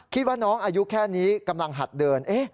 คิดว่าน้องอายุแค่นี้กำลังหัดเดิน